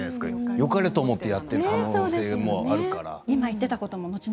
よかれと思ってやっている可能性もあるから。